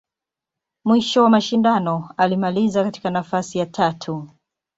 Mwisho wa mashindano, alimaliza katika nafasi ya tatu.